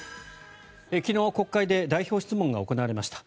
昨日、国会で代表質問が行われました。